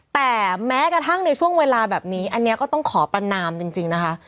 แต่แม้กระทั่งในช่วงเวลาแบบนี้อันนี้ก็ต้องขอประนามจริงนะคะ